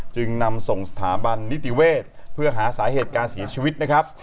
จึงนำส่งสถาบันนิติเวศเพื่อหาสาเหตุการเสียชีวิตนะครับ